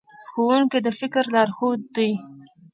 ښوونکي د فکر لارښود دي.